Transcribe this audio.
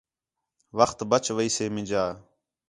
وخت بچ ویسے مینجا